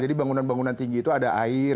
bangunan bangunan tinggi itu ada air